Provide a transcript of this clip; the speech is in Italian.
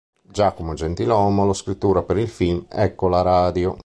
Giacomo Gentilomo lo scrittura per il film "Ecco la radio!